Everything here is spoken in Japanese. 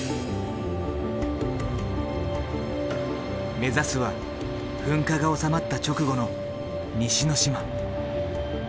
目指すは噴火が収まった直後の西之島。